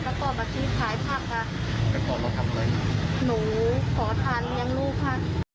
หนูขอทันอย่างลูกค่ะ